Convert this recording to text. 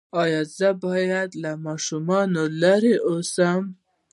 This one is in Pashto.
ایا زه باید له ماشومانو لرې اوسم؟